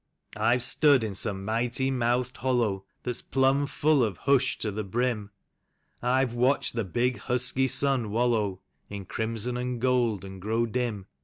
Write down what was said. I've stood in some miglity mouthed hollow That's plumb full of hush to the brim; I've watched the big, husky sun wallow In crimson and gold, and grow dim.